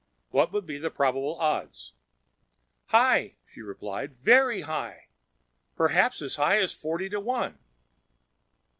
What would be the probable odds?" "High," she replied, "Very high. Perhaps as high as forty to one."